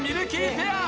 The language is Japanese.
ペア。